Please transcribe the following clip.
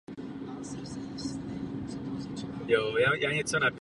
Situace je velmi vážná.